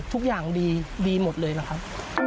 ทุกอย่างดีหมดเลยนะครับ